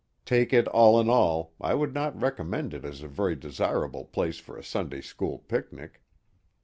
Take it all in all, I would not recommend it The Mohawks 1 1 as a very desirable place for a Sunday school picnic.